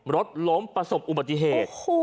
รถล้มประสบอุบัติเหตุ